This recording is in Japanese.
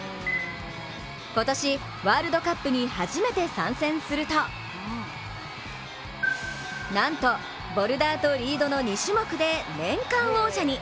今年、ワールドカップに初めて参戦するとなんとボルダーとリードの２種目で年間王者に。